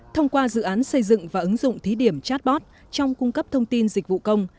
thông qua dự án xây dựng và ứng dụng thí điểm chatbot trong cung cấp thông tin dịch vụ công